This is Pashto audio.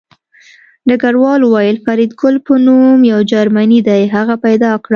ډګروال وویل فریدګل په نوم یو جرمنی دی هغه پیدا کړه